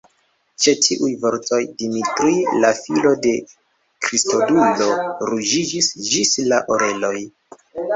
Ĉe tiuj vortoj, Dimitri, la filo de Kristodulo, ruĝiĝis ĝis la oreloj.